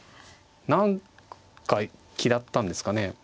何か嫌ったんですかね。